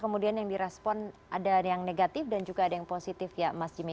kemudian yang direspon ada yang negatif dan juga ada yang positif ya mas jimmy